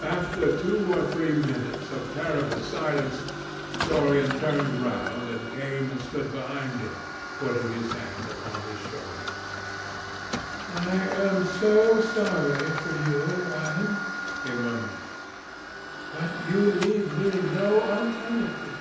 After two or three minutes of terrible silence, Dorian turned round and came and stood behind him, putting his hand upon his shoulder. "I am so sorry for you, Alan," he murmured, "but you leave me no alternative.